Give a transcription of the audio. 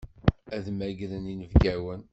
Ad mmagren inebgawen.